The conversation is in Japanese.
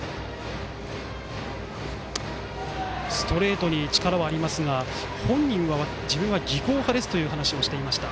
ストレートに力はありますが本人は自分は技巧派ですという話をしていました。